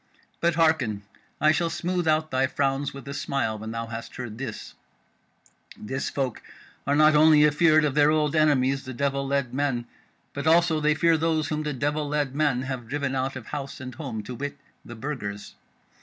But hearken. I shall smooth out thy frowns with a smile when thou hast heard this: this folk are not only afeard of their old enemies, the devil led men, but also they fear those whom the devil led men have driven out of house and home, to wit, the Burgers.